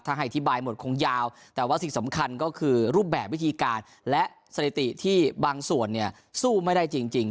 ถ้าให้อธิบายหมดคงยาวแต่ว่าสิ่งสำคัญก็คือรูปแบบวิธีการและสถิติที่บางส่วนเนี่ยสู้ไม่ได้จริง